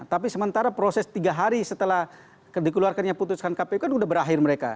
tapi sementara proses tiga hari setelah dikeluarkannya putuskan kpu kan sudah berakhir mereka